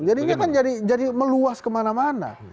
jadi ini kan jadi meluas kemana mana